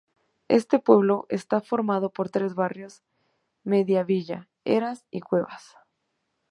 Este pueblo está formado por tres barrios Mediavilla, Eras y Cuevas.